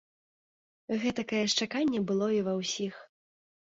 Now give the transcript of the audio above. Гэтакае ж чаканне было і ва ўсіх.